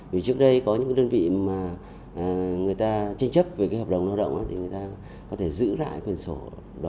vì trước đây có những đơn vị mà người ta tranh chấp về cái hợp đồng lao động thì người ta có thể giữ lại quyền sổ